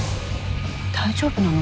大丈夫なの？